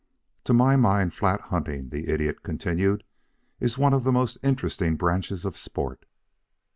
"To my mind, flat hunting," the Idiot continued, "is one of the most interesting branches of sport.